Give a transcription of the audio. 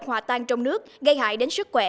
hòa tan trong nước gây hại đến sức khỏe